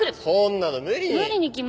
そんなの無理に。